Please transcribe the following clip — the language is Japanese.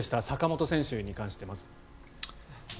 坂本選手に関してです。